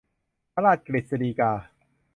พระราชกฤษฎีกา